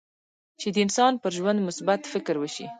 چې د انسان پر ژوند مثبت فکر وشي.